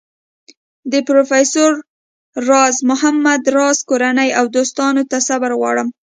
د پروفیسر راز محمد راز کورنۍ او دوستانو ته صبر غواړم.